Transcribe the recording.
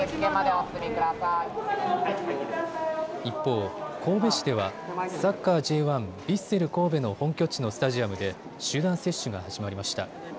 一方、神戸市ではサッカーＪ１・ヴィッセル神戸の本拠地のスタジアムで集団接種が始まりました。